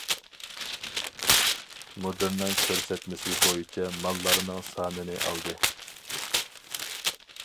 مۇدىرنىڭ كۆرسەتمىسى بويىچە ماللارنىڭ سانىنى ئالدى.